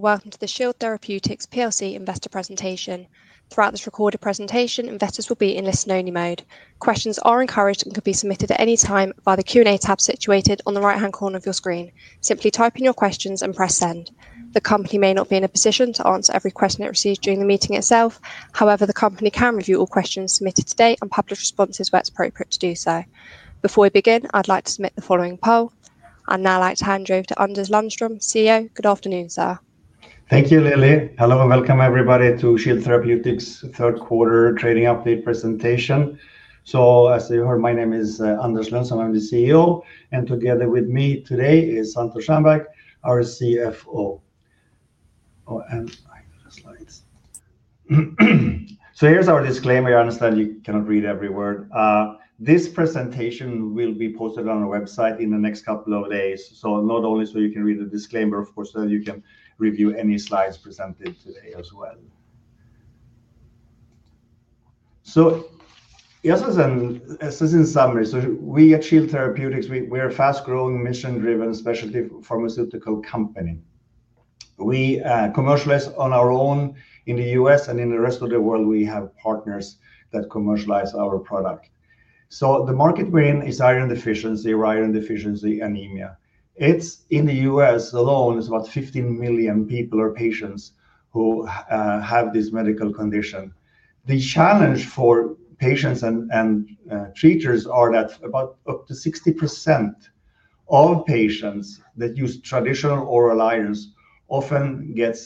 Welcome to the Shield Therapeutics PLC investor presentation. Throughout this recorded presentation, investors will be in listener-only mode. Questions are encouraged and can be submitted at any time via the Q&A tab situated on the right-hand corner of your screen. Simply type in your questions and press send. The company may not be in a position to answer every question it receives during the meeting itself. However, the company can review all questions submitted today and publish responses where it's appropriate to do so. Before we begin, I'd like to submit the following poll. I'd now like to hand you over to Anders Lundstrom, CEO. Good afternoon, sir. Thank you, Lily. Hello and welcome, everybody, to Shield Therapeutics' third quarter trading update presentation. As you heard, my name is Anders Lundstrom, I'm the CEO, and together with me today is Santosh Shanbhag, our CFO. I got the slides. Here's our disclaimer. I understand you cannot read every word. This presentation will be posted on our website in the next couple of days, not only so you can read the disclaimer, of course, but so that you can review any slides presented today as well. Just as a summary, we at Shield Therapeutics are a fast-growing, mission-driven, specialty pharmaceutical company. We commercialize on our own in the U.S., and in the rest of the world, we have partners that commercialize our product. The market we're in is iron deficiency or iron deficiency anemia. In the U.S. alone, it's about 15 million people or patients who have this medical condition. The challenge for patients and treaters is that up to 60% of patients that use traditional oral irons often get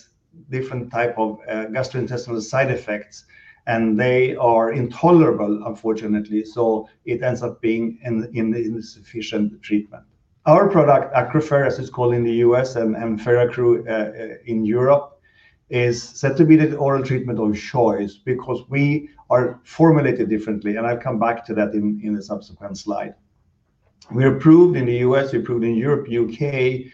different types of gastrointestinal side effects, and they are intolerable, unfortunately, so it ends up being an insufficient treatment. Our product, Accrufer as it's called in the U.S. and Feraccru in Europe, is said to be the oral treatment of choice because we are formulated differently, and I'll come back to that in a subsequent slide. We're approved in the U.S., approved in Europe, UK,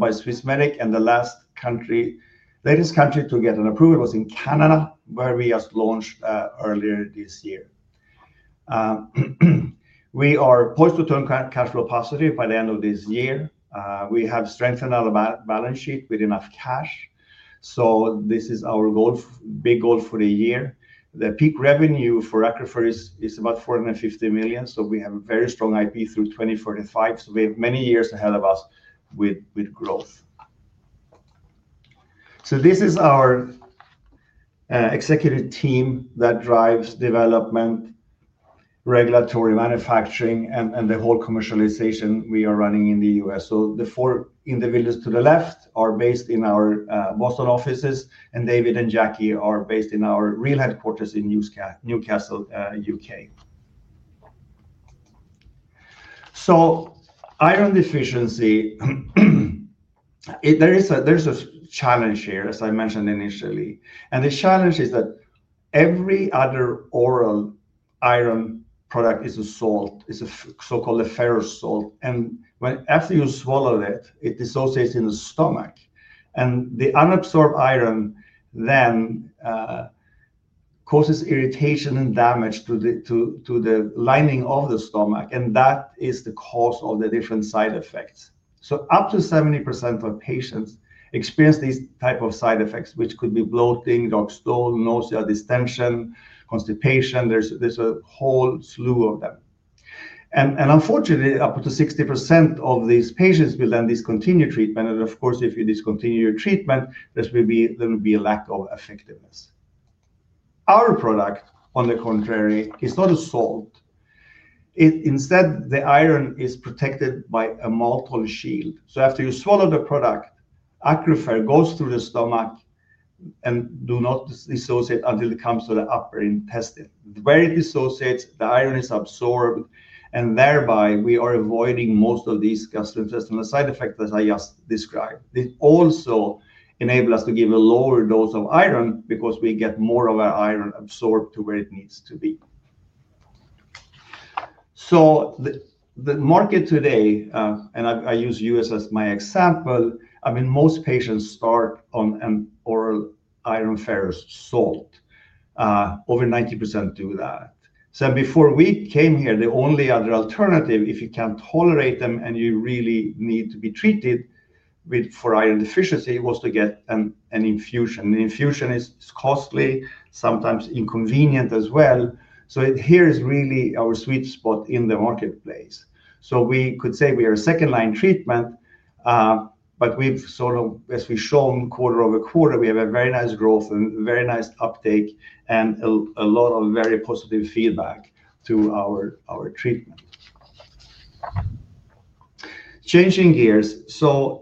by Swissmedic, and the latest country to get an approval was Canada, where we just launched earlier this year. We are poised to turn cash flow positive by the end of this year. We have strengthened our balance sheet with enough cash, so this is our big goal for the year. The peak revenue for Accrufer is about $450 million. We have a very strong IP through 2045, so we have many years ahead of us with growth. This is our executive team that drives development, regulatory, manufacturing, and the whole commercialization we are running in the U.S. The four individuals to the left are based in our Boston offices, and David and Jackie are based in our real headquarters in Newcastle, UK. Iron deficiency, there is a challenge here, as I mentioned initially, and the challenge is that every other oral iron product is a salt, it's a so-called ferrous salt, and after you swallow it, it dissociates in the stomach, and the unabsorbed iron then causes irritation and damage to the lining of the stomach, and that is the cause of the different side effects. Up to 70% of patients experience these types of side effects, which could be bloating, dark stool, nausea, distension, constipation, there's a whole slew of them. Unfortunately, up to 60% of these patients will then discontinue treatment, and of course, if you discontinue your treatment, there will be a lack of effectiveness. Our product, on the contrary, is not a salt. Instead, the iron is protected by a maltol shield. After you swallow the product, Accrufer goes through the stomach and does not dissociate until it comes to the upper intestine. Where it dissociates, the iron is absorbed, and thereby we are avoiding most of these gastrointestinal side effects that I just described. This also enables us to give a lower dose of iron because we get more of our iron absorbed to where it needs to be. The market today, and I use the U.S. as my example, I mean most patients start on an oral iron ferrous salt. Over 90% do that. Before we came here, the only other alternative, if you can't tolerate them and you really need to be treated for iron deficiency, was to get an infusion. An infusion is costly, sometimes inconvenient as well, here is really our sweet spot in the marketplace. We could say we are a second-line treatment, but we've sort of, as we've shown quarter over quarter, we have a very nice growth and very nice uptake and a lot of very positive feedback to our treatment. Changing gears,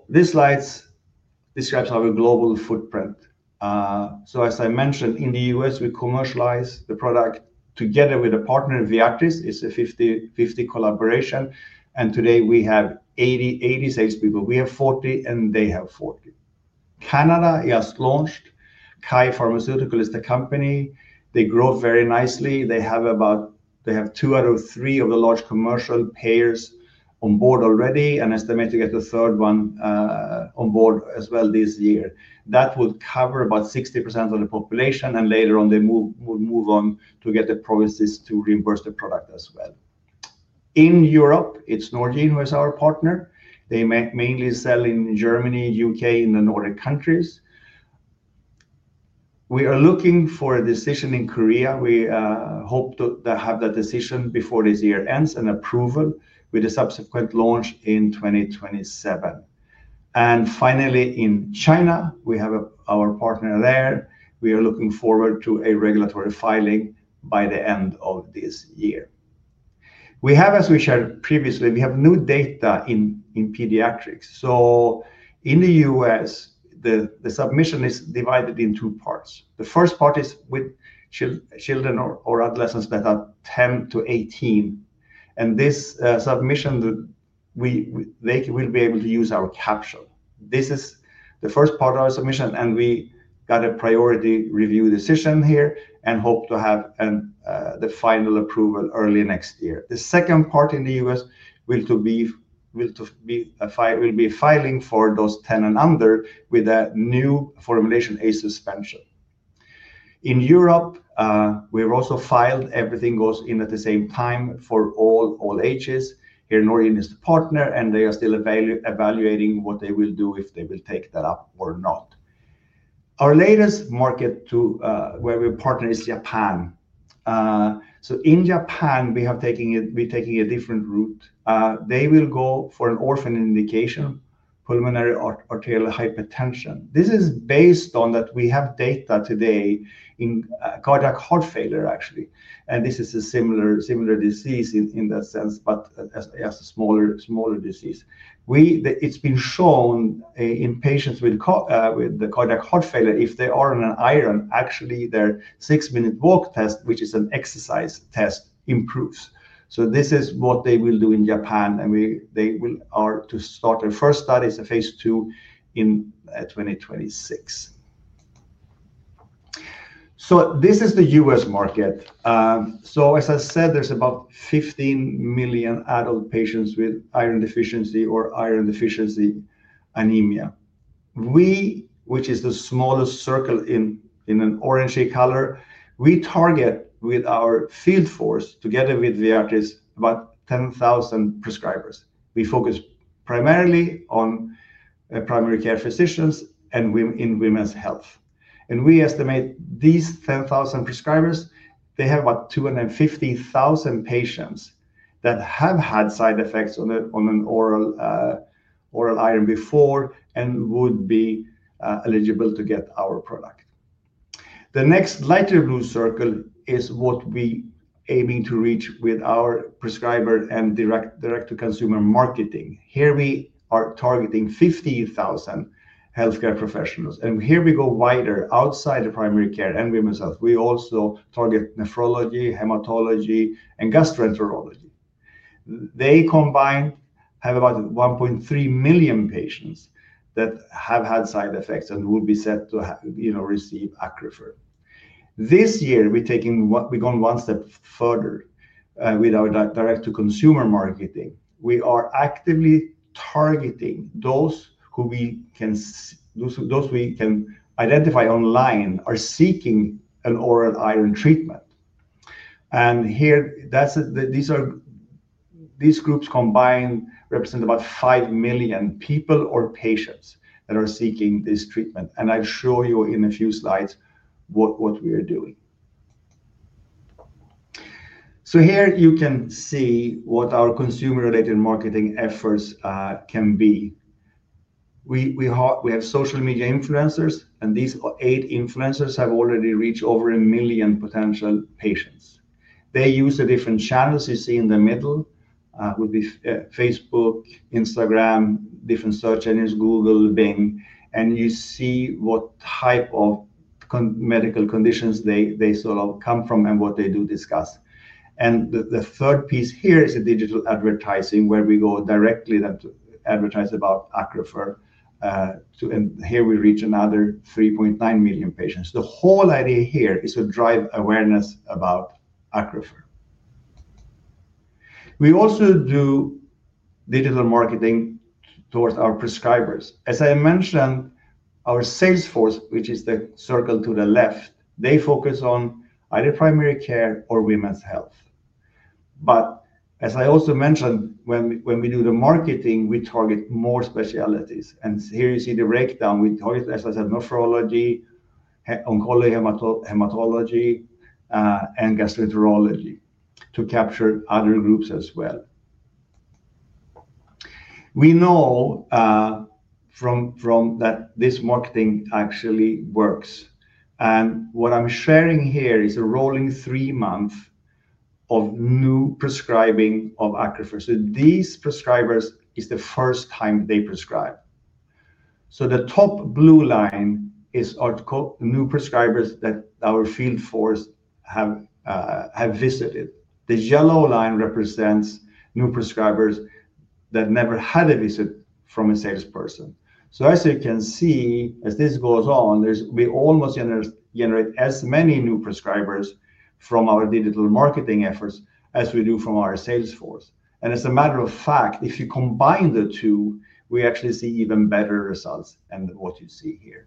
this slide describes our global footprint. As I mentioned, in the U.S., we commercialize the product together with a partner, Viatris. It's a 50/50 collaboration, and today we have 80 salespeople. We have 40, and they have 40. Canada, we just launched. Kai Pharmaceuticals is the company. They grow very nicely. They have about two out of three of the large commercial payers on board already, and estimated to get the third one on board as well this year. That will cover about 60% of the population, and later on, they will move on to get the provinces to reimburse the product as well. In Europe, it's Norgine who is our partner. They mainly sell in Germany, UK, and the Nordic countries. We are looking for a decision in Korea. We hope to have that decision before this year ends and approval with a subsequent launch in 2027. Finally, in China, we have our partner there. We are looking forward to a regulatory filing by the end of this year. As we shared previously, we have new data in pediatrics. In the U.S., the submission is divided into two parts. The first part is with children or adolescents that are 10 to 18, and this submission, they will be able to use our capsule. This is the first part of our submission, and we got a priority review decision here and hope to have the final approval early next year. The second part in the U.S. will be a filing for those 10 and under with a new formulation, ACE suspension. In Europe, we've also filed everything goes in at the same time for all ages. Here, Norgine is the partner, and they are still evaluating what they will do if they will take that up or not. Our latest market where we partner is Japan. In Japan, we're taking a different route. They will go for an orphan indication, pulmonary arterial hypertension. This is based on that we have data today in cardiac heart failure, actually, and this is a similar disease in that sense, but it's a smaller disease. It's been shown in patients with cardiac heart failure, if they are on an iron, actually their six-minute walk test, which is an exercise test, improves. This is what they will do in Japan, and they are to start their first studies in phase two in 2026. This is the U.S. market. As I said, there's about 15 million adult patients with iron deficiency or iron deficiency anemia. We, which is the smallest circle in an orangey color, we target with our field force, together with Viatris, about 10,000 prescribers. We focus primarily on primary care physicians and women in women's health. We estimate these 10,000 prescribers, they have about 250,000 patients that have had side effects on an oral iron before and would be eligible to get our product. The next lighter blue circle is what we're aiming to reach with our prescriber and direct-to-consumer marketing. Here, we are targeting 50,000 healthcare professionals, and here we go wider outside the primary care and women's health. We also target nephrology, hematology, and gastroenterology. They combined have about 1.3 million patients that have had side effects and will be set to receive Accrufer. This year, we're going one step further with our direct-to-consumer marketing. We are actively targeting those who we can identify online are seeking an oral iron treatment. Here, these groups combined represent about 5 million people or patients that are seeking this treatment, and I'll show you in a few slides what we are doing. Here you can see what our consumer-related marketing efforts can be. We have social media influencers, and these eight influencers have already reached over 1 million potential patients. They use the different channels you see in the middle, which would be Facebook, Instagram, different search engines, Google, Bing, and you see what type of medical conditions they sort of come from and what they do discuss. The third piece here is the digital advertising where we go directly to advertise about Accrufer, and here we reach another 3.9 million patients. The whole idea here is to drive awareness about Accrufer. We also do digital marketing towards our prescribers. As I mentioned, our sales force, which is the circle to the left, they focus on either primary care or women's health. As I also mentioned, when we do the marketing, we target more specialties, and here you see the breakdown. We target, as I said, nephrology, oncology, hematology, and gastroenterology to capture other groups as well. We know from that this marketing actually works, and what I'm sharing here is a rolling three-month of new prescribing of Accrufer. These prescribers are the first time they prescribe. The top blue line is new prescribers that our field force has visited. The yellow line represents new prescribers that never had a visit from a salesperson. As you can see, as this goes on, we almost generate as many new prescribers from our digital marketing efforts as we do from our sales force. As a matter of fact, if you combine the two, we actually see even better results than what you see here.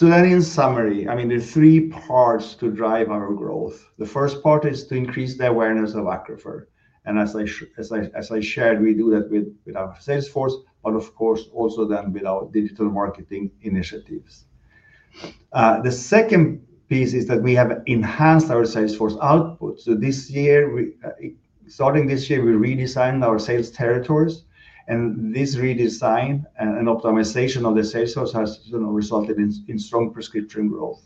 In summary, there are three parts to drive our growth. The first part is to increase the awareness of Accrufer, and as I shared, we do that with our sales force, but of course, also with our digital marketing initiatives. The second piece is that we have enhanced our sales force output. This year, starting this year, we redesigned our sales territories, and this redesign and optimization of the sales force has resulted in strong prescription growth.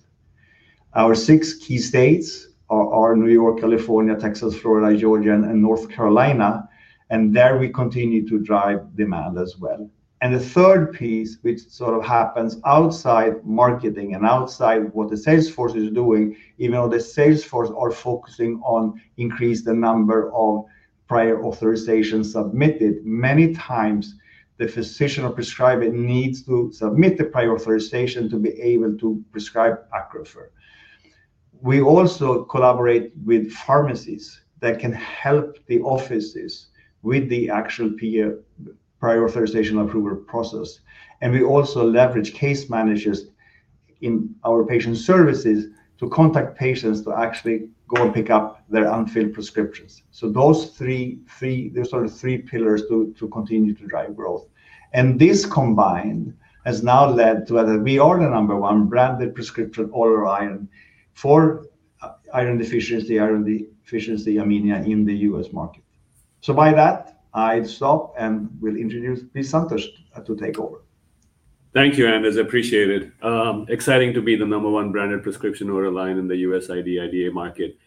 Our six key states are New York, California, Texas, Florida, Georgia, and North Carolina, and there we continue to drive demand as well. The third piece, which sort of happens outside marketing and outside what the sales force is doing, even though the sales force is focusing on increasing the number of prior authorizations submitted, many times the physician or prescriber needs to submit the prior authorization to be able to prescribe Accrufer. We also collaborate with pharmacies that can help the offices with the actual prior authorization approval process, and we also leverage case managers in our patient services to contact patients to actually go and pick up their unfilled prescriptions. Those are the three pillars to continue to drive growth. This combined has now led to that we are the number one branded prescription oral iron for iron deficiency, iron deficiency anemia in the U.S. market. By that, I'll stop and will introduce Santosh to take over. Thank you, Anders. Appreciate it. Exciting to be the number one branded prescription oral iron in the U.S. ID/IDA market.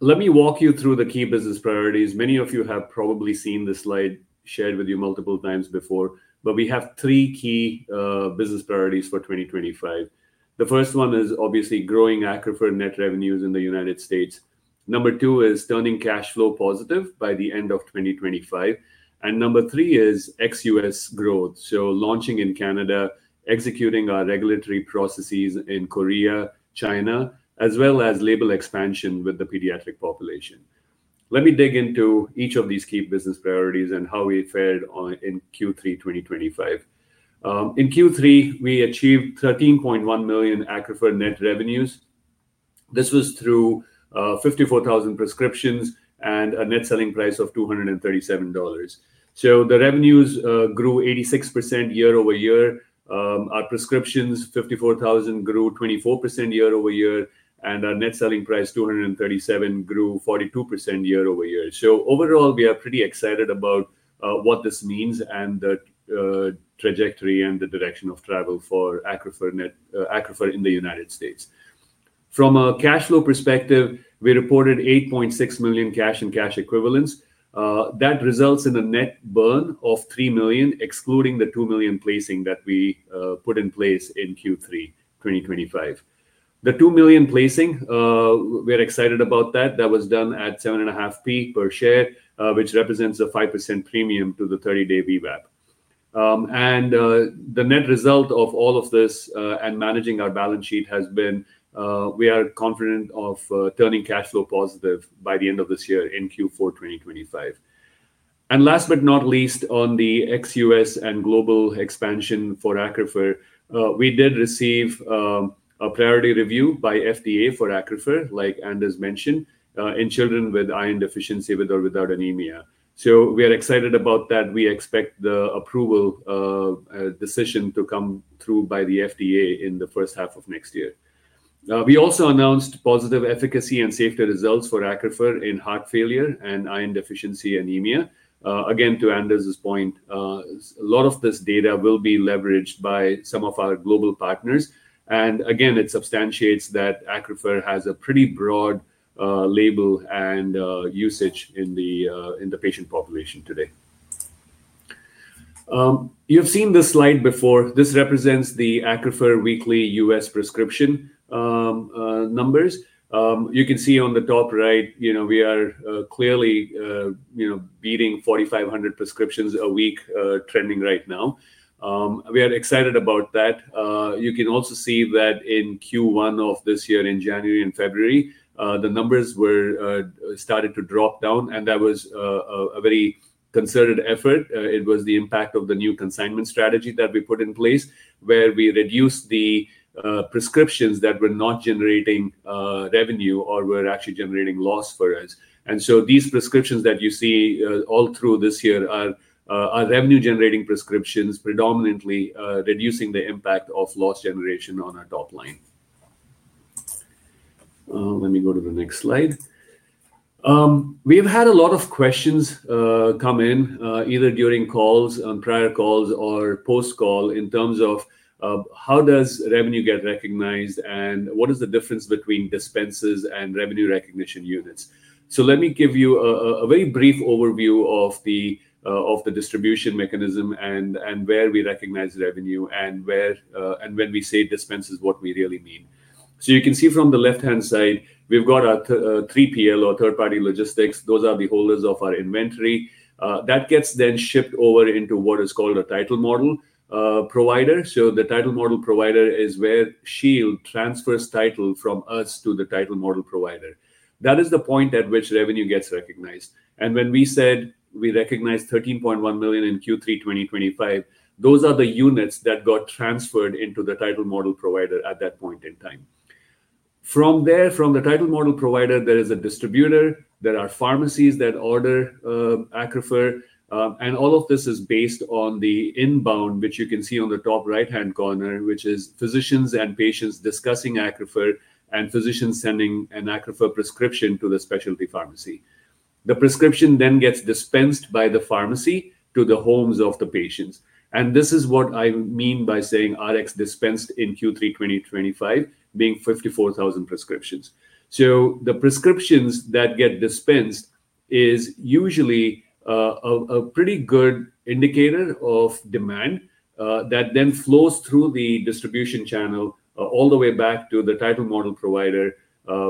Let me walk you through the key business priorities. Many of you have probably seen this slide shared with you multiple times before, but we have three key business priorities for 2025. The first one is obviously growing Accrufer net revenues in the United States. Number two is turning cash flow positive by the end of 2025. Number three is ex-U.S. growth. Launching in Canada, executing our regulatory processes in Korea, China, as well as label expansion with the pediatric population. Let me dig into each of these key business priorities and how we fared in Q3 2025. In Q3, we achieved $13.1 million Accrufer net revenues. This was through 54,000 prescriptions and a net selling price of $237. The revenues grew 86% year over year. Our prescriptions, 54,000, grew 24% year over year, and our net selling price, $237, grew 42% year over year. Overall, we are pretty excited about what this means and the trajectory and the direction of travel for Accrufer in the United States. From a cash flow perspective, we reported $8.6 million cash and cash equivalents. That results in a net burn of $3 million, excluding the $2 million placing that we put in place in Q3 2025. The $2 million placing, we're excited about that. That was done at $0.075 per share, which represents a 5% premium to the 30-day VWAP. The net result of all of this and managing our balance sheet has been we are confident of turning cash flow positive by the end of this year in Q4 2025. Last but not least, on the ex-U.S. and global expansion for Accrufer, we did receive a priority review by FDA for Accrufer, like Anders mentioned, in children with iron deficiency with or without anemia. We are excited about that. We expect the approval decision to come through by the FDA in the first half of next year. We also announced positive efficacy and safety results for Accrufer in heart failure and iron deficiency anemia. Again, to Anders' point, a lot of this data will be leveraged by some of our global partners. It substantiates that Accrufer has a pretty broad label and usage in the patient population today. You've seen this slide before. This represents the Accrufer weekly U.S. prescription numbers. You can see on the top right, you know, we are clearly beating 4,500 prescriptions a week trending right now. We are excited about that. You can also see that in Q1 of this year, in January and February, the numbers started to drop down, and that was a very concerted effort. It was the impact of the new consignment strategy that we put in place, where we reduced the prescriptions that were not generating revenue or were actually generating loss for us. These prescriptions that you see all through this year are revenue-generating prescriptions, predominantly reducing the impact of loss generation on our top line. Let me go to the next slide. We've had a lot of questions come in either during calls, on prior calls, or post-call in terms of how does revenue get recognized and what is the difference between dispenses and revenue recognition units. Let me give you a very brief overview of the distribution mechanism and where we recognize revenue and when we say dispenses, what we really mean. You can see from the left-hand side, we've got our 3PL or third-party logistics. Those are the holders of our inventory. That gets then shipped over into what is called a title model provider. The title model provider is where Shield transfers title from us to the title model provider. That is the point at which revenue gets recognized. When we said we recognize $13.1 million in Q3 2025, those are the units that got transferred into the title model provider at that point in time. From there, from the title model provider, there is a distributor, there are pharmacies that order Accrufer, and all of this is based on the inbound, which you can see on the top right-hand corner, which is physicians and patients discussing Accrufer and physicians sending an Accrufer prescription to the specialty pharmacy. The prescription then gets dispensed by the pharmacy to the homes of the patients. This is what I mean by saying Rx dispensed in Q3 2025, being 54,000 prescriptions. The prescriptions that get dispensed are usually a pretty good indicator of demand that then flows through the distribution channel all the way back to the title model provider,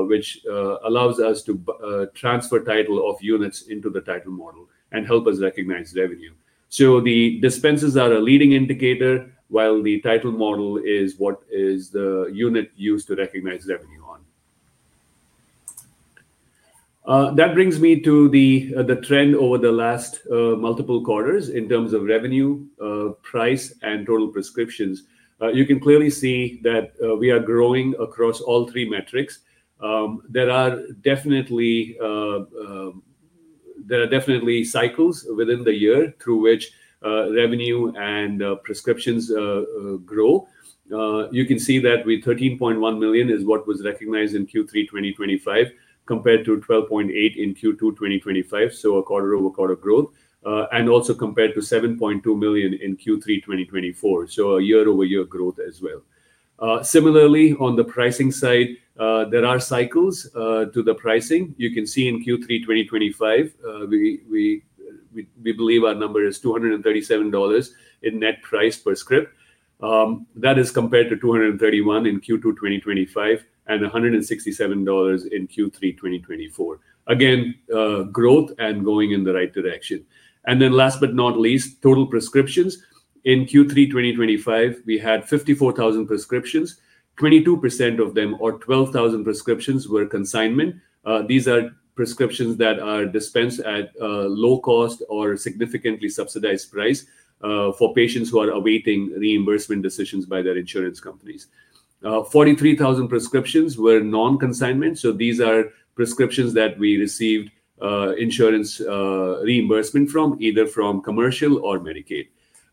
which allows us to transfer title of units into the title model and help us recognize revenue. The dispenses are a leading indicator, while the title model is what the unit used to recognize revenue on. That brings me to the trend over the last multiple quarters in terms of revenue, price, and total prescriptions. You can clearly see that we are growing across all three metrics. There are definitely cycles within the year through which revenue and prescriptions grow. You can see that with $13.1 million is what was recognized in Q3 2025 compared to $12.8 million in Q2 2025, so a quarter over quarter growth, and also compared to $7.2 million in Q3 2024, so a year-over-year growth as well. Similarly, on the pricing side, there are cycles to the pricing. You can see in Q3 2025, we believe our number is $237 in net price per script. That is compared to $231 in Q2 2025 and $167 in Q3 2024. Again, growth and going in the right direction. Last but not least, total prescriptions. In Q3 2025, we had 54,000 prescriptions. 22% of them, or 12,000 prescriptions, were consignment. These are prescriptions that are dispensed at low cost or significantly subsidized price for patients who are awaiting reimbursement decisions by their insurance companies. 43,000 prescriptions were non-consignment, so these are prescriptions that we received insurance reimbursement from, either from commercial or Medicaid.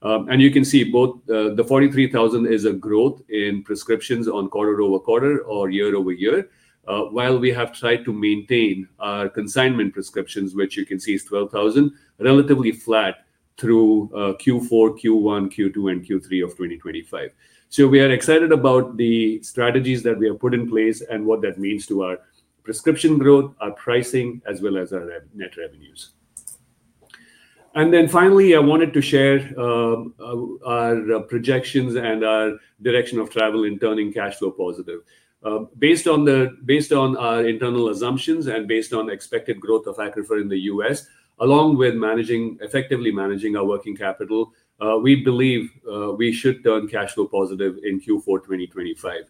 You can see both the 43,000 is a growth in prescriptions on quarter over quarter or year over year, while we have tried to maintain our consignment prescriptions, which you can see is 12,000, relatively flat through Q4, Q1, Q2, and Q3 of 2025. We are excited about the strategies that we have put in place and what that means to our prescription growth, our pricing, as well as our net revenues. Finally, I wanted to share our projections and our direction of travel in turning cash flow positive. Based on our internal assumptions and based on expected growth of Accrufer in the U.S., along with effectively managing our working capital, we believe we should turn cash flow positive in Q4 2025.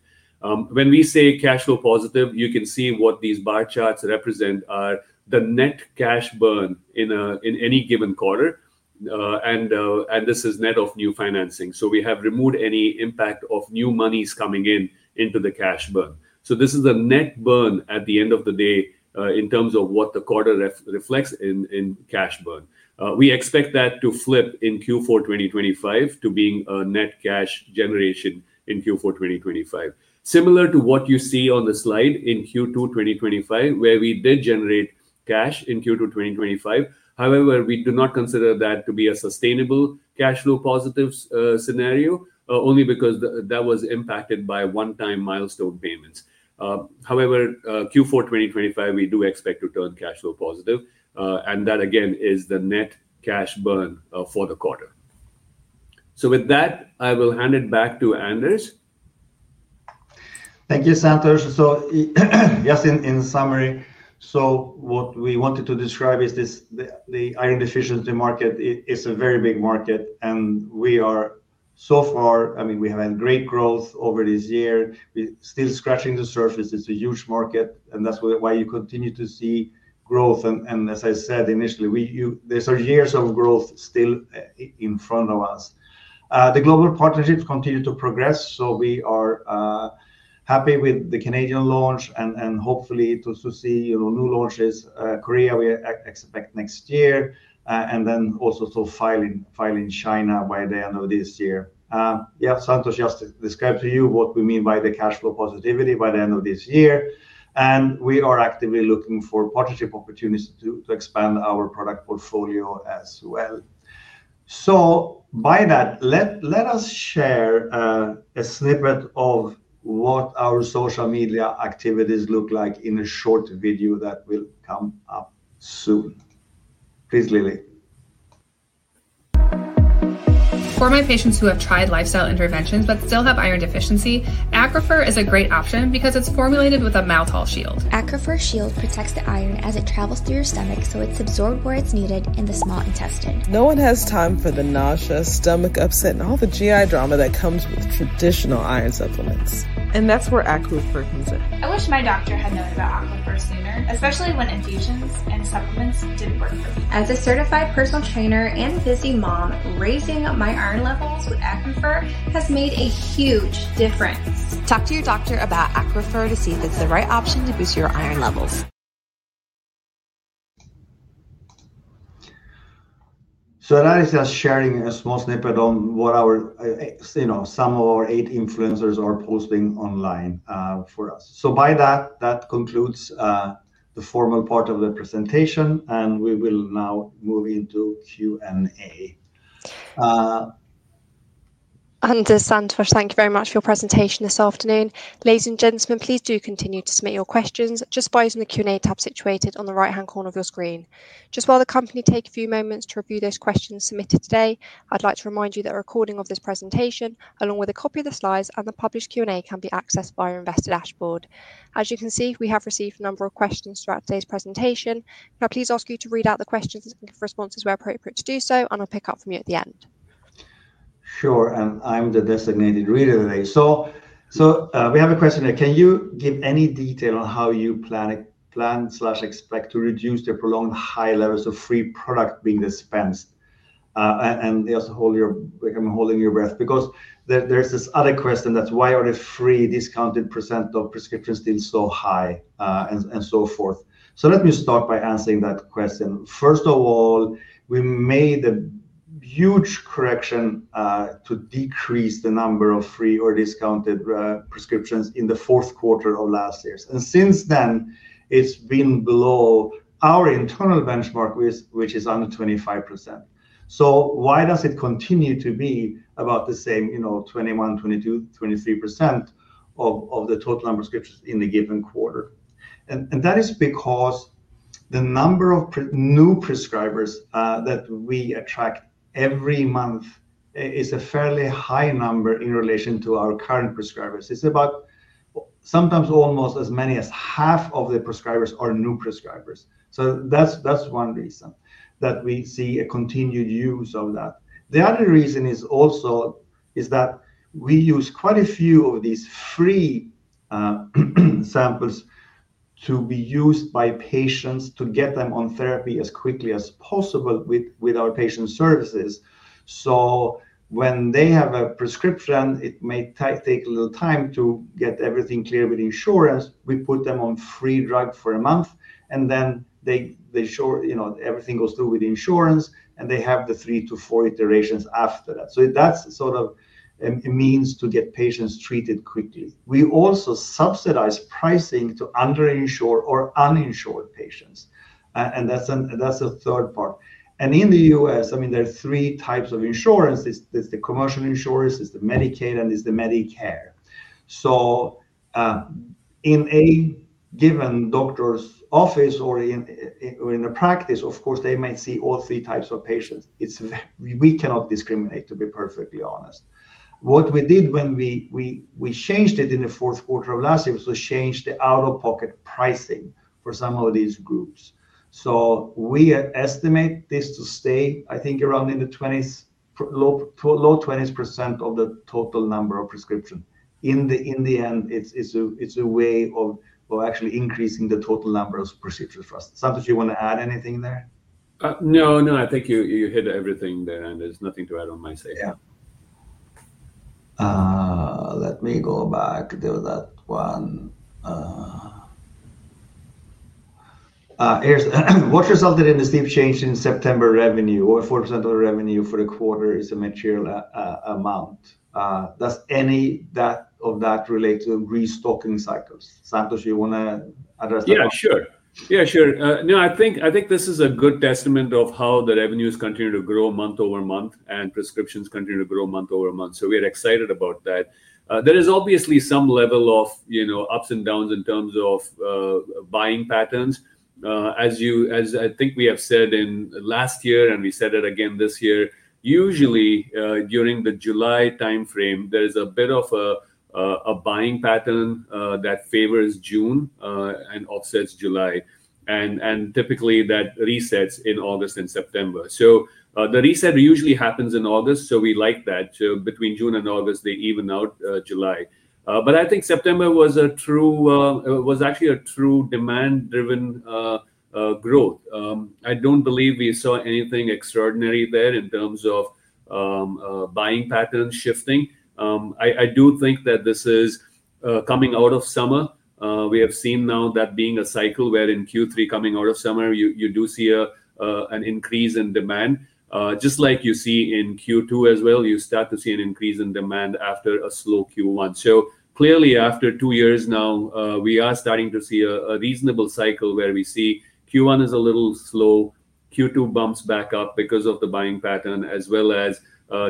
When we say cash flow positive, you can see what these bar charts represent are the net cash burn in any given quarter, and this is net of new financing. We have removed any impact of new monies coming in into the cash burn. This is a net burn at the end of the day in terms of what the quarter reflects in cash burn. We expect that to flip in Q4 2025 to being a net cash generation in Q4 2025. Similar to what you see on the slide in Q2 2025, where we did generate cash in Q2 2025. However, we do not consider that to be a sustainable cash flow positive scenario, only because that was impacted by one-time milestone payments. Q4 2025, we do expect to turn cash flow positive, and that again is the net cash burn for the quarter. With that, I will hand it back to Anders. Thank you, Santosh. In summary, what we wanted to describe is this: the iron deficiency market is a very big market, and we are so far, I mean, we have had great growth over this year. We're still scratching the surface. It's a huge market, which is why you continue to see growth. As I said initially, there are years of growth still in front of us. The global partnerships continue to progress. We are happy with the Canadian launch and hopefully to see new launches. Korea, we expect next year, and also to file in China by the end of this year. Santosh just described to you what we mean by the cash flow positivity by the end of this year, and we are actively looking for partnership opportunities to expand our product portfolio as well. By that, let us share a snippet of what our social media activities look like in a short video that will come up soon. Please, Lily. For my patients who have tried lifestyle interventions but still have iron deficiency, Accrufer is a great option because it's formulated with a maltol shield. Accrufer Shield protects the iron as it travels through your stomach, so it's absorbed where it's needed in the small intestine. No one has time for the nausea, stomach upset, and all the GI drama that comes with traditional iron supplements, and that's where Accrufer comes in. I wish my doctor had known about Accrufer sooner, especially when infusions and supplements didn't work for me. As a certified personal trainer and a busy mom, raising my iron levels with Accrufer has made a huge difference. Talk to your doctor about Accrufer to see if it's the right option to boost your iron levels. That is just sharing a small snippet on what our, you know, some of our eight influencers are posting online for us. By that, that concludes the formal part of the presentation, and we will now move into Q&A. Anders, Santosh, thank you very much for your presentation this afternoon. Ladies and gentlemen, please do continue to submit your questions just by using the Q&A tab situated on the right-hand corner of your screen. While the company takes a few moments to review those questions submitted today, I'd like to remind you that a recording of this presentation, along with a copy of the slides and the published Q&A, can be accessed by our investor dashboard. As you can see, we have received a number of questions throughout today's presentation. Now, please ask you to read out the questions and give responses where appropriate to do so, and I'll pick up from you at the end. Sure, I'm the designated reader today. We have a question here. Can you give any detail on how you plan or expect to reduce the prolonged high levels of free product being dispensed? I'm holding your breath because there's this other question, that's why are the free discounted % of prescriptions still so high and so forth? Let me start by answering that question. First of all, we made a huge correction to decrease the number of free or discounted prescriptions in the fourth quarter of last year, and since then, it's been below our internal benchmark, which is under 25%. Why does it continue to be about the same, you know, 21%, 22%, 23% of the total number of prescriptions in the given quarter? That is because the number of new prescribers that we attract every month is a fairly high number in relation to our current prescribers. It's about sometimes almost as many as half of the prescribers are new prescribers. That's one reason that we see a continued use of that. The other reason is also that we use quite a few of these free samples to be used by patients to get them on therapy as quickly as possible with our patient services. When they have a prescription, it may take a little time to get everything cleared with insurance. We put them on free drug for a month, and then everything goes through with insurance, and they have the three to four iterations after that. That's sort of a means to get patients treated quickly. We also subsidize pricing to underinsured or uninsured patients, and that's the third part. In the U.S., I mean, there are three types of insurance. It's the commercial insurance, it's the Medicaid, and it's the Medicare. In a given doctor's office or in a practice, of course, they might see all three types of patients. We cannot discriminate, to be perfectly honest. What we did when we changed it in the fourth quarter of last year was to change the out-of-pocket pricing for some of these groups. We estimate this to stay, I think, around in the low 20% of the total number of prescriptions. In the end, it's a way of actually increasing the total number of procedures for us. Santosh, do you want to add anything there? No, I think you hit everything there, and there's nothing to add on my side. Yeah. Let me go back to that one. What resulted in the steep change in September revenue? Over 4% of the revenue for the quarter is a material amount. Does any of that relate to restocking cycles? Santosh, do you want to address that? I think this is a good testament of how the revenues continue to grow month over month, and prescriptions continue to grow month over month. We are excited about that. There is obviously some level of ups and downs in terms of buying patterns. As I think we have said in last year, and we said it again this year, usually during the July timeframe, there is a bit of a buying pattern that favors June and offsets July, and typically that resets in August and September. The reset usually happens in August, so we like that. Between June and August, they even out July. I think September was actually a true demand-driven growth. I don't believe we saw anything extraordinary there in terms of buying patterns shifting. I do think that this is coming out of summer. We have seen now that being a cycle where in Q3, coming out of summer, you do see an increase in demand. Just like you see in Q2 as well, you start to see an increase in demand after a slow Q1. Clearly, after two years now, we are starting to see a reasonable cycle where we see Q1 is a little slow, Q2 bumps back up because of the buying pattern, as well as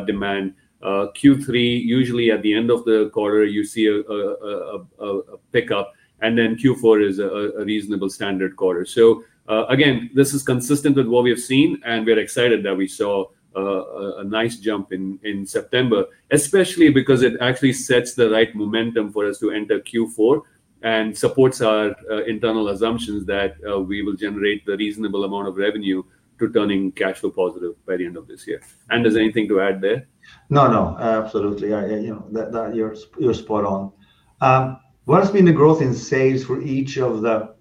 demand. Q3, usually at the end of the quarter, you see a pickup, and then Q4 is a reasonable standard quarter. This is consistent with what we have seen, and we're excited that we saw a nice jump in September, especially because it actually sets the right momentum for us to enter Q4 and supports our internal assumptions that we will generate the reasonable amount of revenue to turning cash flow positive by the end of this year. Anders, anything to add there? No, no, absolutely. You're spot on. What has been the growth in sales for each of the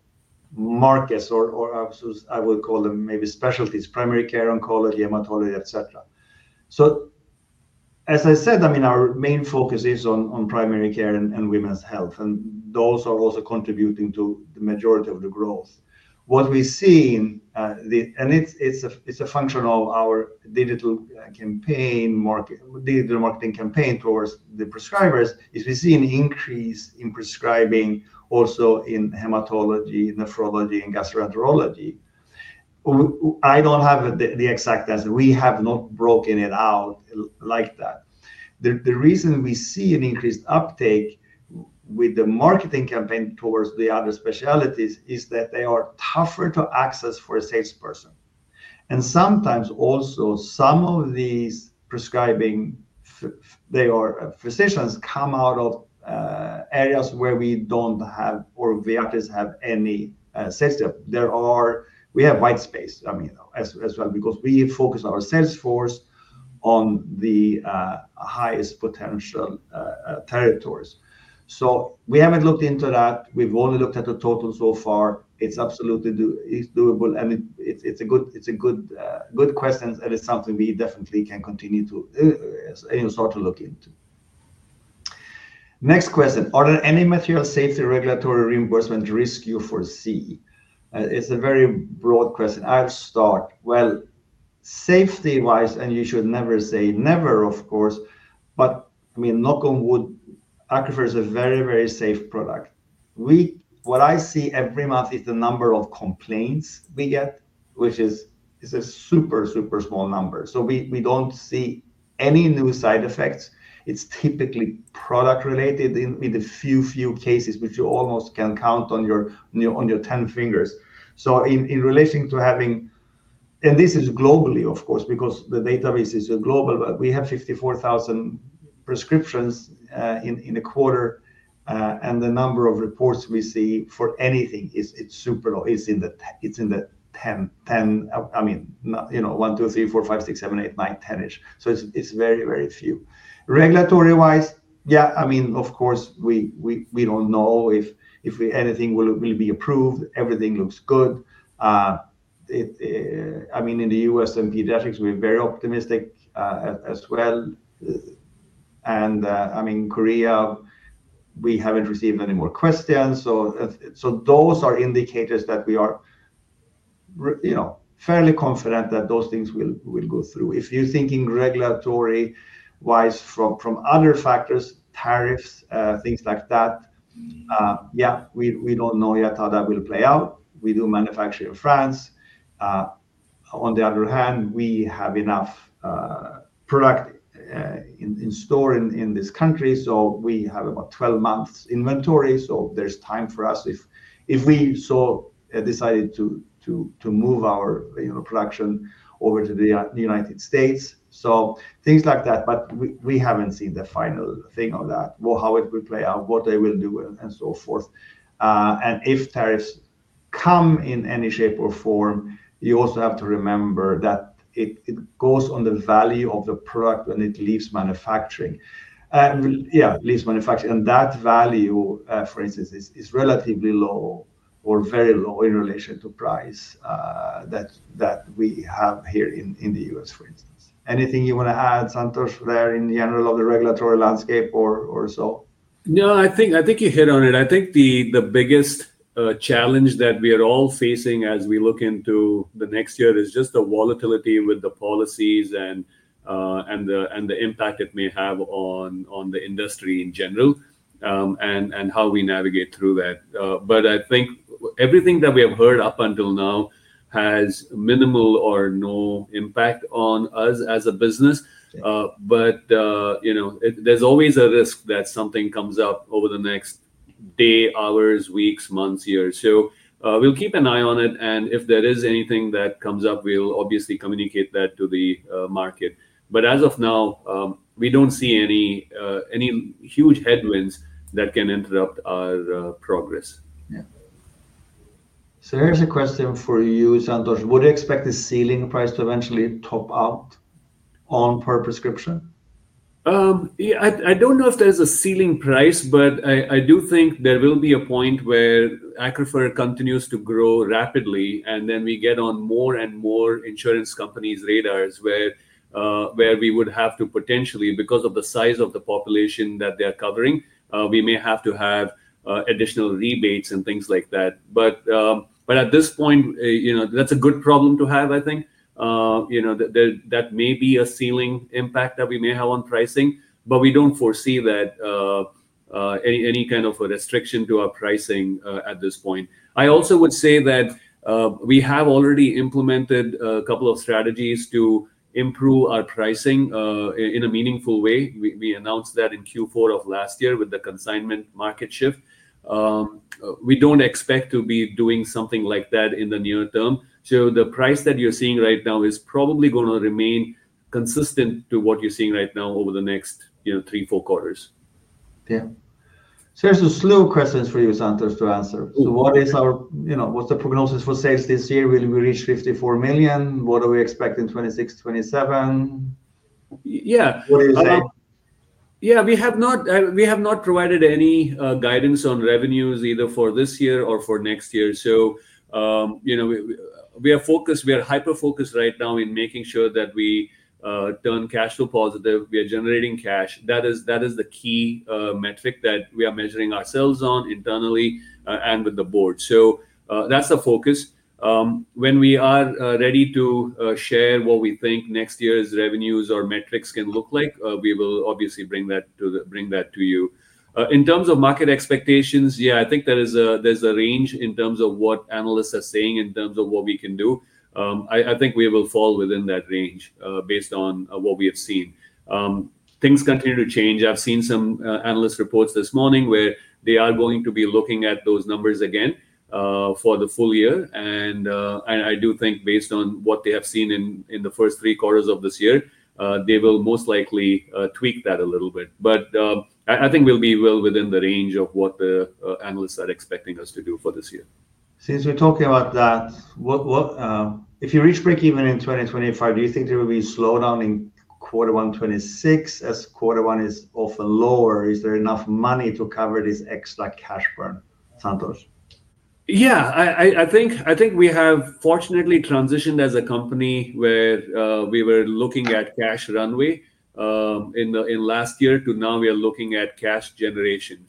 markets, or I would call them maybe specialties, primary care, oncology, hematology, et cetera? As I said, our main focus is on primary care and women's health, and those are also contributing to the majority of the growth. What we've seen, and it's a function of our digital marketing campaign towards the prescribers, is we've seen an increase in prescribing also in hematology, nephrology, and gastroenterology. I don't have the exact answer. We have not broken it out like that. The reason we see an increased uptake with the marketing campaign towards the other specialties is that they are tougher to access for a salesperson. Sometimes also some of these prescribing physicians come out of areas where we don't have or Viatris have any sales staff. We have white space, as well, because we focus our sales force on the highest potential territories. We haven't looked into that. We've only looked at the total so far. It's absolutely doable, and it's a good question, and it's something we definitely can continue to sort of look into. Next question. Are there any material safety, regulatory, reimbursement risks you foresee? It's a very broad question. I'll start. Safety-wise, and you should never say never, of course, but knock on wood, Accrufer is a very, very safe product. What I see every month is the number of complaints we get, which is a super, super small number. We don't see any new side effects. It's typically product-related with a few, few cases, which you almost can count on your 10 fingers. In relation to having, and this is globally, of course, because the database is global, we have 54,000 prescriptions in a quarter, and the number of reports we see for anything is super low. It's in the 10, I mean, 1, 2, 3, 4, 5, 6, 7, 8, 9, 10-ish. It's very, very few. Regulatory-wise, we don't know if anything will be approved. Everything looks good. In the U.S. and pediatrics, we're very optimistic as well. Korea, we haven't received any more questions. Those are indicators that we are fairly confident that those things will go through. If you're thinking regulatory-wise from other factors, tariffs, things like that, we don't know yet how that will play out. We do manufacture in France. On the other hand, we have enough product in store in this country, so we have about 12 months inventory. There's time for us if we decide to move our production over to the U.S. Things like that, but we haven't seen the final thing of that, how it will play out, what they will do, and so forth. If tariffs come in any shape or form, you also have to remember that it goes on the value of the product when it leaves manufacturing. Yeah, leaves manufacturing, and that value, for instance, is relatively low or very low in relation to the price that we have here in the U.S., for instance. Anything you want to add, Santosh, there in general of the regulatory landscape or so? No, I think you hit on it. I think the biggest challenge that we are all facing as we look into the next year is just the volatility with the policies and the impact it may have on the industry in general and how we navigate through that. I think everything that we have heard up until now has minimal or no impact on us as a business, but you know there's always a risk that something comes up over the next day, hours, weeks, months, years. We'll keep an eye on it, and if there is anything that comes up, we'll obviously communicate that to the market. As of now, we don't see any huge headwinds that can interrupt our progress. Here's a question for you, Santosh. Would you expect the ceiling price to eventually top out on per prescription? I don't know if there's a ceiling price, but I do think there will be a point where Accrufer continues to grow rapidly, and then we get on more and more insurance companies' radars where we would have to potentially, because of the size of the population that they're covering, we may have to have additional rebates and things like that. At this point, you know that's a good problem to have, I think. You know that may be a ceiling impact that we may have on pricing, but we don't foresee that any kind of a restriction to our pricing at this point. I also would say that we have already implemented a couple of strategies to improve our pricing in a meaningful way. We announced that in Q4 of last year with the consignment market shift. We don't expect to be doing something like that in the near term. The price that you're seeing right now is probably going to remain consistent to what you're seeing right now over the next three, four quarters. Yeah, there's a slew of questions for you, Santosh, to answer. What is our, you know, what's the prognosis for sales this year? Will we reach $54 million? What are we expecting in 2026, 2027? We have not provided any guidance on revenues either for this year or for next year. We are hyper-focused right now in making sure that we turn cash flow positive. We are generating cash. That is the key metric that we are measuring ourselves on internally and with the board. That's the focus. When we are ready to share what we think next year's revenues or metrics can look like, we will obviously bring that to you. In terms of market expectations, I think there's a range in terms of what analysts are saying in terms of what we can do. I think we will fall within that range based on what we have seen. Things continue to change. I've seen some analyst reports this morning where they are going to be looking at those numbers again for the full year, and I do think based on what they have seen in the first three quarters of this year, they will most likely tweak that a little bit. I think we'll be well within the range of what the analysts are expecting us to do for this year. Since we're talking about that, if you reach break even in 2025, do you think there will be a slowdown in quarter one 2026 as quarter one is often lower? Is there enough money to cover this extra cash burn, Santosh? Yeah, I think we have fortunately transitioned as a company where we were looking at cash runway in last year to now we are looking at cash generation.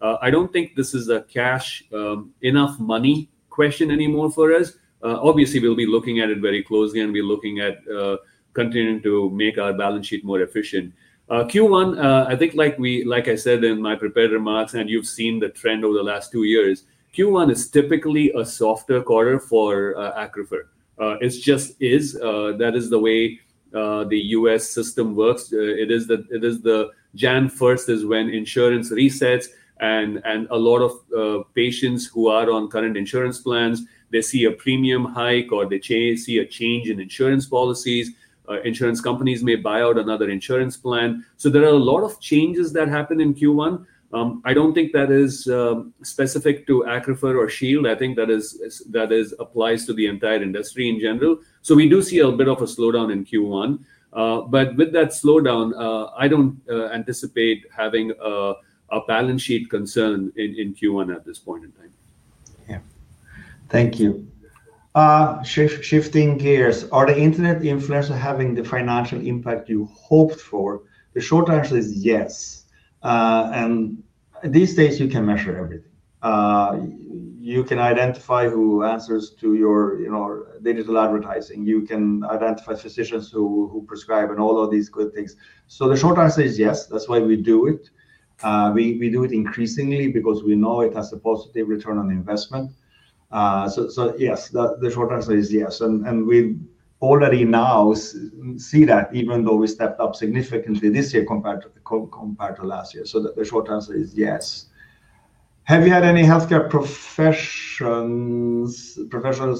I don't think this is a cash enough money question anymore for us. Obviously, we'll be looking at it very closely and be looking at continuing to make our balance sheet more efficient. Q1, I think like I said in my prepared remarks, and you've seen the trend over the last two years, Q1 is typically a softer quarter for Accrufer. It just is. That is the way the U.S. system works. Jan 1st is when insurance resets, and a lot of patients who are on current insurance plans, they see a premium hike or they see a change in insurance policies. Insurance companies may buy out another insurance plan. There are a lot of changes that happen in Q1. I don't think that is specific to Accrufer or Shield Therapeutics. I think that applies to the entire industry in general. We do see a bit of a slowdown in Q1, but with that slowdown, I don't anticipate having a balance sheet concern in Q1 at this point in time. Thank you. Shifting gears, are the internet influencers having the financial impact you hoped for? The short answer is yes. These days, you can measure everything. You can identify who answers to your digital advertising. You can identify physicians who prescribe and all of these good things. The short answer is yes. That's why we do it. We do it increasingly because we know it has a positive return on investment. Yes, the short answer is yes. We already now see that even though we stepped up significantly this year compared to last year. The short answer is yes. Have you had any healthcare professionals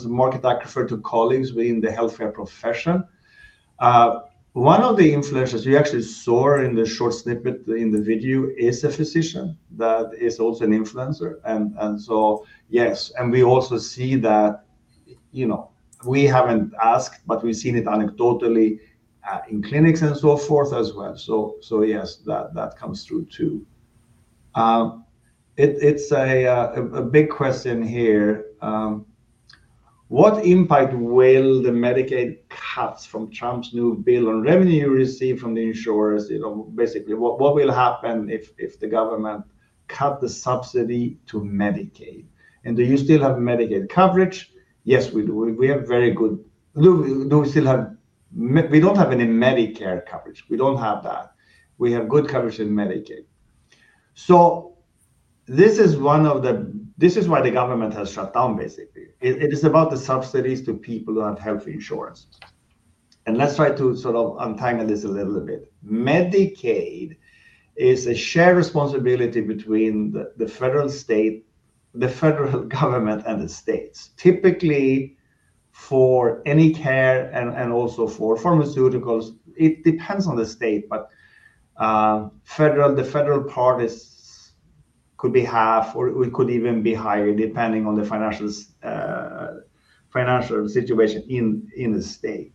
market Accrufer to colleagues within the healthcare profession? One of the influencers you actually saw in the short snippet in the video is a physician that is also an influencer. Yes, and we also see that, you know, we haven't asked, but we've seen it anecdotally in clinics and so forth as well. Yes, that comes through too. It's a big question here. What impact will the Medicaid cuts from Trump's new bill have on revenue you receive from the insurers? Basically, what will happen if the government cuts the subsidy to Medicaid? Do you still have Medicaid coverage? Yes, we do. We have very good—do we still have—we don't have any Medicare coverage. We don't have that. We have good coverage in Medicaid. This is one of the—this is why the government has shut down basically. It is about the subsidies to people who have health insurance. Let's try to sort of untangle this a little bit. Medicaid is a shared responsibility between the federal government and the states. Typically, for any care and also for pharmaceuticals, it depends on the state, but the federal part could be half or it could even be higher depending on the financial situation in the state.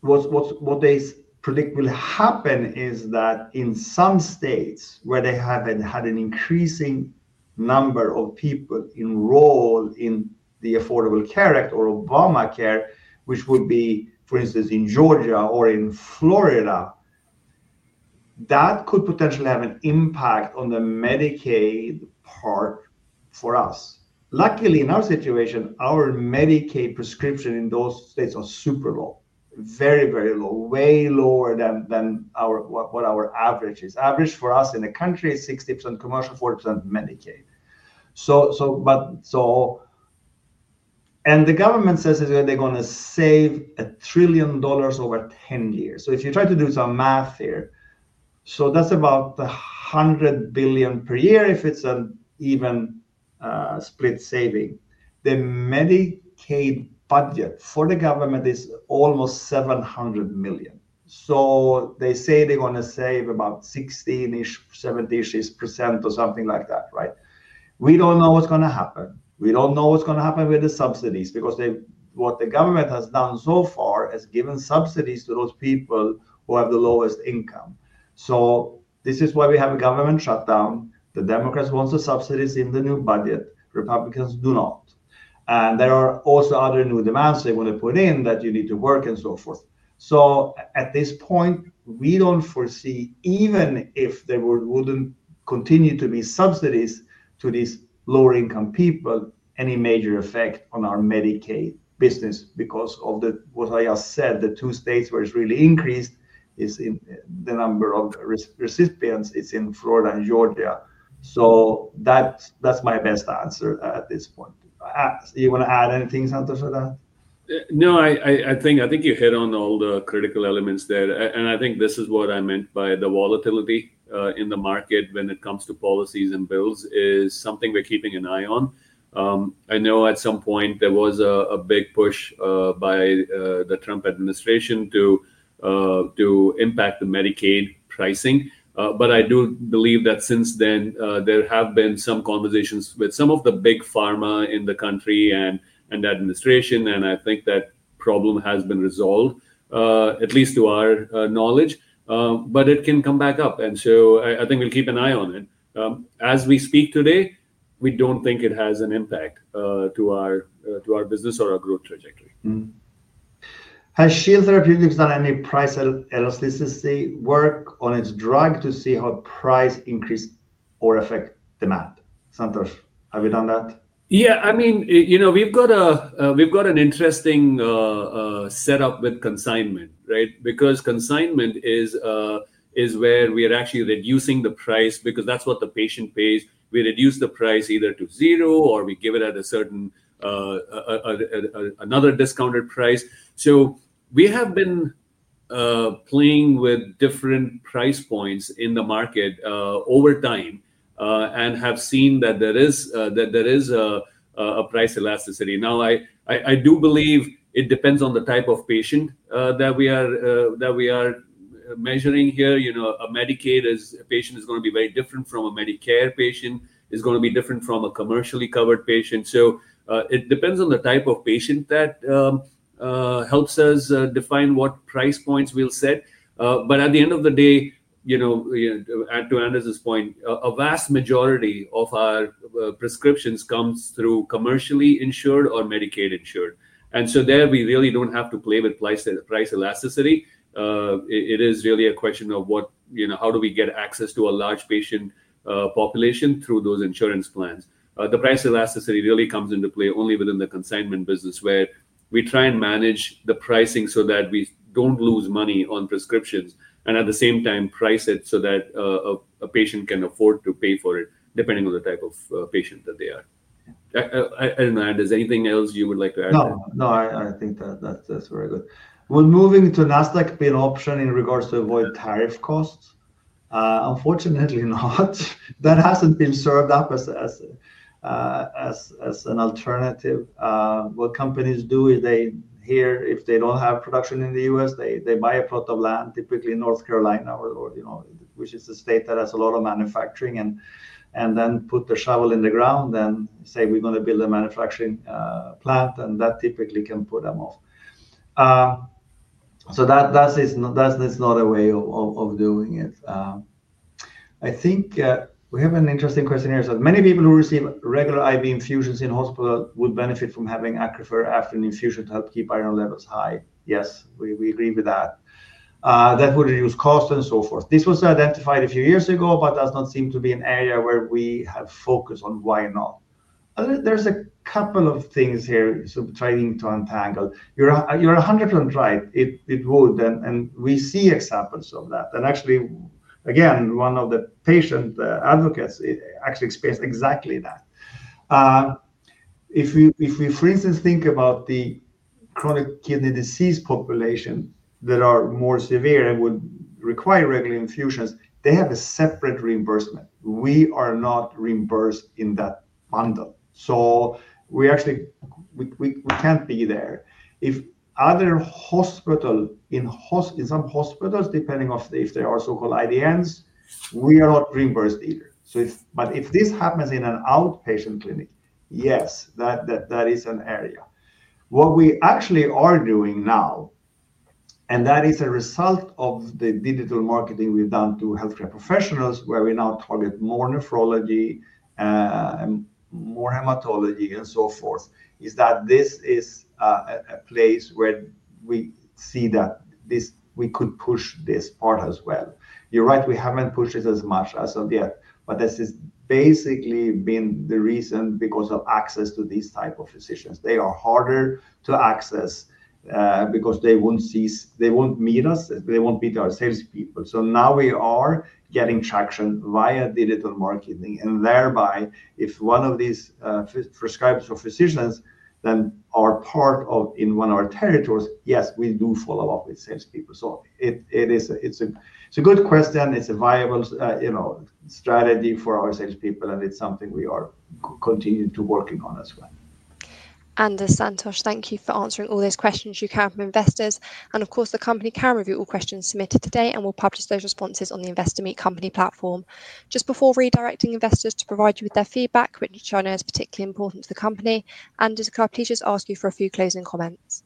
What they predict will happen is that in some states where they have had an increasing number of people enrolled in the Affordable Care Act or Obamacare, which would be, for instance, in Georgia or in Florida, that could potentially have an impact on the Medicaid part for us. Luckily, in our situation, our Medicaid prescription in those states are super low, very, very low, way lower than what our average is. Average for us in the country is 60% commercial, 40% Medicaid. The government says they're going to save $1 trillion over 10 years. If you try to do some math here, that's about $100 billion per year if it's an even split saving. The Medicaid budget for the government is almost $700 million. They say they're going to save about 16%, 17% or something like that, right? We don't know what's going to happen. We don't know what's going to happen with the subsidies because what the government has done so far is given subsidies to those people who have the lowest income. This is why we have a government shutdown. The Democrats want the subsidies in the new budget. Republicans do not. There are also other new demands they want to put in that you need to work and so forth. At this point, we don't foresee, even if there wouldn't continue to be subsidies to these lower-income people, any major effect on our Medicaid business because of what I just said. The two states where it's really increased is in the number of recipients. It's in Florida and Georgia. That's my best answer at this point. You want to add anything, Santosh, to that? No, I think you hit on all the critical elements there. I think this is what I meant by the volatility in the market when it comes to policies and bills is something we're keeping an eye on. I know at some point there was a big push by the Trump administration to impact the Medicaid pricing. I do believe that since then, there have been some conversations with some of the big pharma in the country and administration, and I think that problem has been resolved, at least to our knowledge. It can come back up. I think we'll keep an eye on it. As we speak today, we don't think it has an impact to our business or our growth trajectory. Has Shield Therapeutics done any price elasticity work on its drug to see how price increase or affect demand? Santosh, have you done that? Yeah, I mean, we've got an interesting setup with consignment, right? Consignment is where we are actually reducing the price because that's what the patient pays. We reduce the price either to zero or we give it at another discounted price. We have been playing with different price points in the market over time and have seen that there is a price elasticity. I do believe it depends on the type of patient that we are measuring here. A Medicaid patient is going to be very different from a Medicare patient. It's going to be different from a commercially covered patient. It depends on the type of patient that helps us define what price points we'll set. At the end of the day, to Anders' point, a vast majority of our prescriptions come through commercially insured or Medicaid insured. There we really don't have to play with price elasticity. It is really a question of how do we get access to a large patient population through those insurance plans. The price elasticity really comes into play only within the consignment business where we try and manage the pricing so that we don't lose money on prescriptions and at the same time price it so that a patient can afford to pay for it depending on the type of patient that they are. I don't know, Anders, anything else you would like to add? No, no, I think that's very good. Moving to an aspect being option in regards to avoid tariff costs, unfortunately not. That hasn't been served up as an alternative. What companies do is they hear if they don't have production in the U.S., they buy a plot of land, typically in North Carolina, which is a state that has a lot of manufacturing, and then put the shovel in the ground and say we're going to build a manufacturing plant, and that typically can put them off. That is not a way of doing it. I think we have an interesting question here. Many people who receive regular IV infusions in hospital would benefit from having Accrufer after an infusion to help keep iron levels high. Yes, we agree with that. That would reduce costs and so forth. This was identified a few years ago, but does not seem to be an area where we have focused on, why not. There's a couple of things here trying to untangle. You're 100% right. It would, and we see examples of that. Actually, one of the patient advocates explains exactly that. If we, for instance, think about the chronic kidney disease population that are more severe and would require regular infusions, they have a separate reimbursement. We are not reimbursed in that bundle. We can't be there. In some hospitals, depending on if there are so-called IDNs, we are not reimbursed either. If this happens in an outpatient clinic, yes, that is an area. What we actually are doing now, and that is a result of the digital marketing we've done to healthcare professionals, where we now target more nephrology and more hematology and so forth, is that this is a place where we see that we could push this part as well. You're right, we haven't pushed it as much as of yet, but this has basically been the reason because of access to these types of physicians. They are harder to access because they won't meet us. They won't be our salespeople. Now we are getting traction via digital marketing, and thereby, if one of these prescribers or physicians then are part of one of our territories, yes, we do follow up with salespeople. It's a good question. It's a viable strategy for our salespeople, and it's something we are continuing to work on as well. Anders, Santosh, thank you for answering all those questions you have from investors. The company can review all questions submitted today, and we'll publish those responses on the Investor Meet Company platform. Just before redirecting investors to provide you with their feedback, which I know is particularly important to the company, Anders, could I please just ask you for a few closing comments?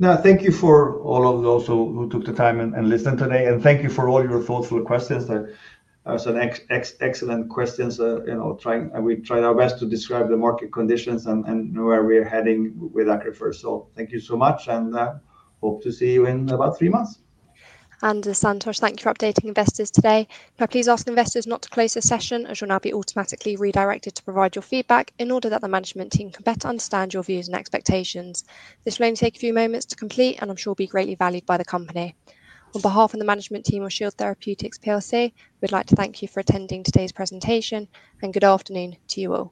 No, thank you for all of those who took the time and listened today, and thank you for all your thoughtful questions. Those are excellent questions. We tried our best to describe the market conditions and where we're heading with Accrufer. Thank you so much, and hope to see you in about three months. Anders, Santosh, thank you for updating investors today. Now, please ask investors not to close the session, as you'll now be automatically redirected to provide your feedback in order that the management team can better understand your views and expectations. This will only take a few moments to complete, and I'm sure it will be greatly valued by the company. On behalf of the management team of Shield Therapeutics PLC, we'd like to thank you for attending today's presentation, and good afternoon to you all.